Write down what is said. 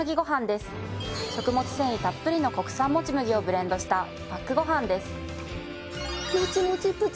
食物繊維たっぷりの国産もち麦をブレンドしたパックごはんです。